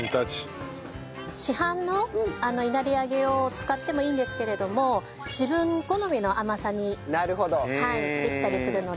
市販の稲荷揚げを使ってもいいんですけれども自分好みの甘さにできたりするので。